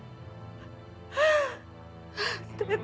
tidak mudah untuk kembali ke jalan yang benar